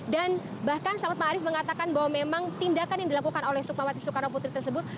dan bahkan selamat ma'arif mengatakan bahwa memang tindakan yang dilakukan oleh soekarno putri tersebut